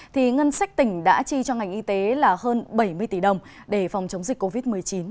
thì ngân sách tỉnh đã chi cho ngành y tế là hơn bảy mươi tỷ đồng để phòng chống dịch covid một mươi chín